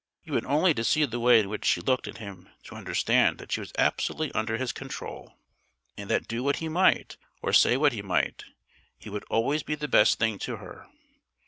You had only to see the way in which she looked at him to understand that she was absolutely under his control, and that do what he might, or say what he might, it would always be the best thing to her.